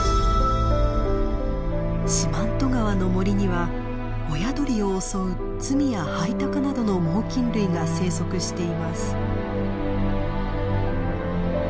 四万十川の森には親鳥を襲うツミやハイタカなどの猛きん類が生息しています。